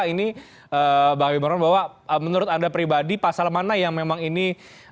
ini bagi orang bahwa menurut anda pribadi pasal mana yang memang ini